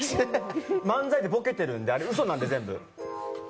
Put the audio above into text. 漫才でボケてるんで、あれ、うそなんで全部。